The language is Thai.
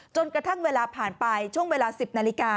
จนกระทั่งเวลาผ่านไปช่วงเวลา๑๐นาฬิกา